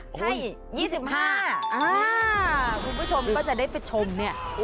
ใช่๒๕นาทีอ้าวคุณผู้ชมก็จะได้ไปชมเนี่ยโอ้โฮ